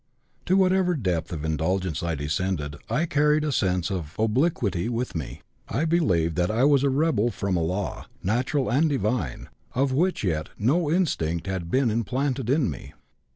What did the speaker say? To whatever depth of indulgence I descended I carried a sense of obliquity with me; I believed that I was a rebel from a law, natural and divine, of which yet no instinct had been implanted in me.